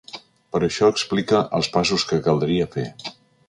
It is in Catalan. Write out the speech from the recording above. Per això explica els passos que caldria fer.